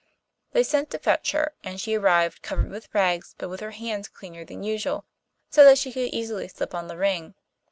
They sent to fetch her, and she arrived covered with rags, but with her hands cleaner than usual, so that she could easily slip on the ring.